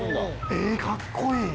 ええかっこいい。